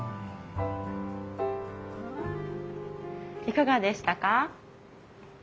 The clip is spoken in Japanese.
いかがでしたか？